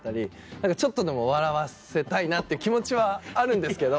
何かちょっとでも笑わせたいなって気持ちはあるんですけど。